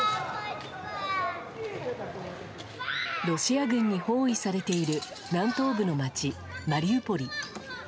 ロシア軍に包囲されている南東部の街、マリウポリ。